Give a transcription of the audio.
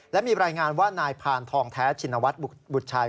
และมีรายงานว่านายพานทองแท้ชินวัฒน์บุตรชาย